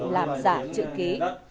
làm giả chữ ký